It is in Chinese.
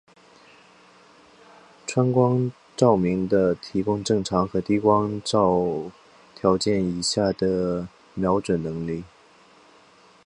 氚光照明的提供正常和低光照条件以下的瞄准能力。